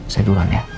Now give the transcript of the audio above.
saya duluan ya